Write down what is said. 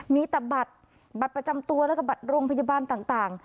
มีแต่บัตรบัตรประจำตัวแล้วก็บัตรโรงพยาบาลต่าง